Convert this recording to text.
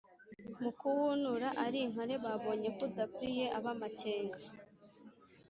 mu kuwuntura ari inkare, babonye ko udakwiye ab'amakenga